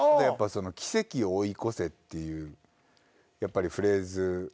「奇跡を追い越せ」っていうやっぱりフレーズ。